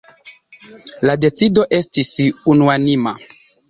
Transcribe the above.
La decido estis unuanima.